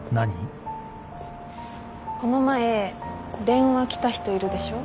この前電話きた人いるでしょ。